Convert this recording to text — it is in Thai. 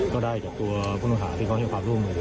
ก็ได้จากตัวผู้หาที่เขาให้ความร่วม